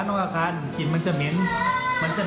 มันจะแงบครับ